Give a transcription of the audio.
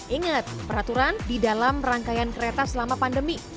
ingat peraturan di dalam rangkaian kereta selama pandemi